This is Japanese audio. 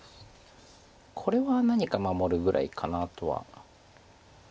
これは何か守るぐらいかなとは。